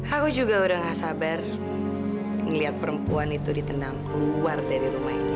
aku juga udah gak sabar ngeliat perempuan itu ditenang keluar dari rumah ini